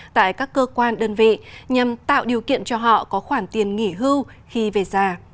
tại các cơ quan đơn vị nhằm tạo điều kiện cho họ có khoản tiền nghỉ hưu khi về già